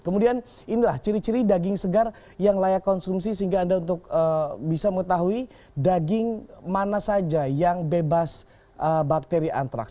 kemudian inilah ciri ciri daging segar yang layak konsumsi sehingga anda untuk bisa mengetahui daging mana saja yang bebas bakteri antraks